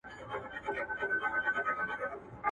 كوم ولات كي يې درمل ورته ليكلي.